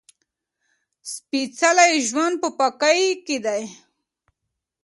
سپېڅلی ژوند په پاکۍ کې دی.